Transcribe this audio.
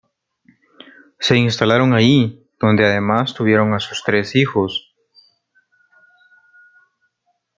Se instalaron allí, donde además tuvieron a sus tres hijos.